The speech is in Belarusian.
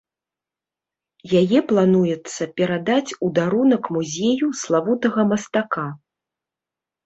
Яе плануецца перадаць у дарунак музею славутага мастака.